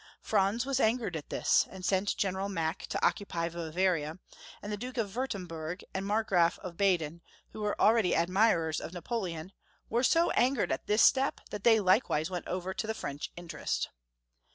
Franz was angered at this, and sent General Mack to occupy Bavaria ; and the Duke of Wiu*temburg and Markgraf of Baden, who were already ad mirers of Napoleon, were so angered at this step that they likewise went over to the French interest.